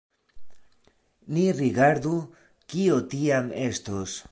Ni rigardu, kio tiam estos.